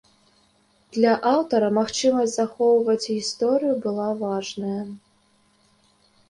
Для аўтара магчымасць захоўваць гісторыю была важная.